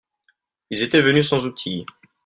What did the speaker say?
Ils étaient venus sans outil.